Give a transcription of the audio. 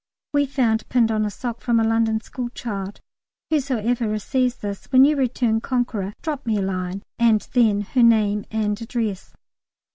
We found pinned on a sock from a London school child, "Whosoever receives this, when you return conqueror, drop me a line," and then her name and address!